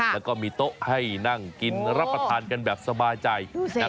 แล้วก็มีโต๊ะให้นั่งกินรับประทานกันแบบสบายใจ